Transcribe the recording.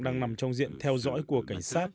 đang nằm trong diện theo dõi của cảnh sát